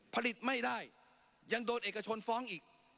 ผลิตไม่ได้ยังโดนเอกชนฟ้องอีก